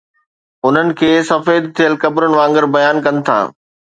انهن کي سفيد ٿيل قبرن وانگر بيان ڪن ٿا.